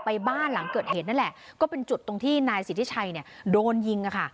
ไปบ้านหลังเกิดเหตุนั่นแหละก็เป็นจุดตรงที่นายศรีฐิชัยโดนยิงค่ะ